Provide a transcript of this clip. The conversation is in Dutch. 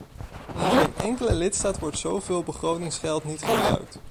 In geen enkele lidstaat wordt zo veel begrotingsgeld niet gebruikt.